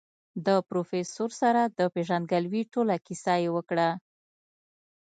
د پروفيسر سره د پېژندګلوي ټوله کيسه يې وکړه.